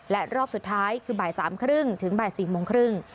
และรอบสุดท้ายคือบ่าย๓๓๐ถึงบ่าย๔โมงครึ่ง